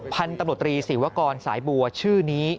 พันธุ์ตำรวจตรีศิวกรสายบัวชื่อนี้